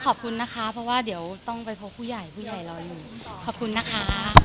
ขอบคุณนะคะเพราะว่าเดี๋ยวต้องไปพบผู้ใหญ่ผู้ใหญ่รอหนึ่งขอบคุณนะคะ